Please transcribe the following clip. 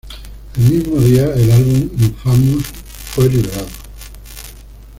El mismo día el álbum Infamous fue liberado.